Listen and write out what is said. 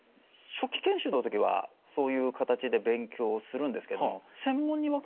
初期研修の時はそういう形で勉強するんですけど。